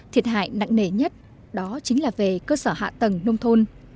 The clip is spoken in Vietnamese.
thiệt hại nặng nề nhất đó chính là về cơ sở hạ tầng nông thôn